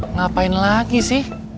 ngapain lagi sih